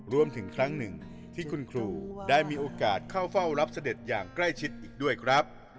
รวมถึงครั้งหนึ่งที่คุณครูได้มีโอกาสเข้าเฝ้ารับเสด็จอย่างใกล้ชิดอีกด้วยครับ